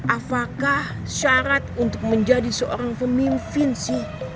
apakah syarat untuk menjadi seorang pemimpin sih